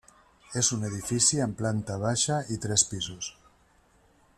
És un edifici amb planta baixa i tres pisos.